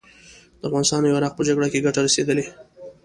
د افغانستان او عراق په جګړه کې ګټه رسېدلې.